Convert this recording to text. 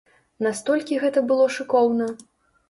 Настолькі гэта было шыкоўна!